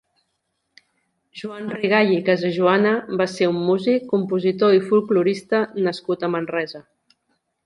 Joan Rigall i Casajuana va ser un músic, compositor i folklorista nascut a Manresa.